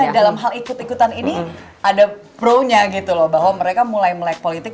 tapi dalam hal ikut ikutan ini ada pro nya gitu loh bahwa mereka mulai melek politik